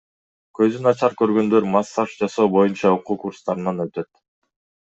Көзү начар көргөндөр массаж жасоо боюнча окуу курстарынан өтөт.